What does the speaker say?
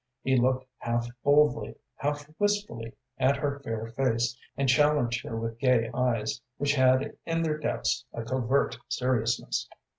He looked half boldly, half wistfully at her fair face, and challenged her with gay eyes, which had in their depths a covert seriousness.